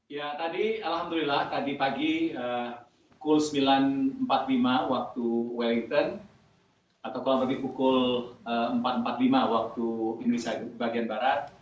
ya tadi alhamdulillah tadi pagi pukul sembilan empat puluh lima waktu wellington atau kurang lebih pukul empat empat puluh lima waktu indonesia bagian barat